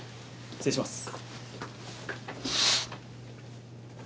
失礼します。